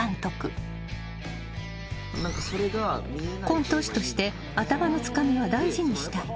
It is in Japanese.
［コント師として頭のつかみは大事にしたい］